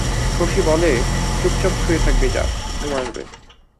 শশী বলে, চুপচাপ শুয়ে থাকবি যা, ঘুম আসবে।